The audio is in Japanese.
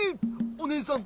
おねえさん。